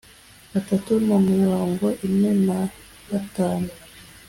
atatu na mirongo ine na batanu